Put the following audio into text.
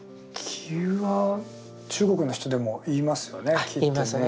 気は中国の人でも言いますよね。